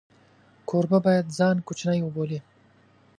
کوربه باید ځان کوچنی وبولي.